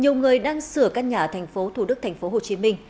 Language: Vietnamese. nhiều người đang sửa các nhà thành phố thủ đức thành phố hồ chí minh